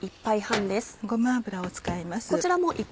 ごま油を使います。